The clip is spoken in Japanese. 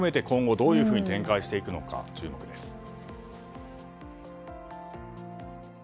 今後どのように展開していくか注目です。